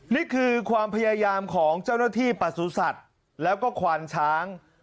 นี่คือความพยายามของเจ้าหน้าที่ประสุทธิ์สัตว์แล้วก็ควานช้าง